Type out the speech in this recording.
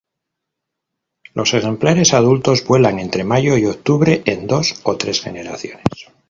Los ejemplares adultos vuelan entre mayo y octubre en dos o tres generaciones.